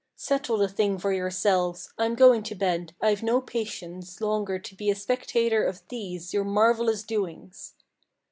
Settle the thing for yourselves: I'm going to bed; I've no patience Longer to be a spectator of these your marvellous doings."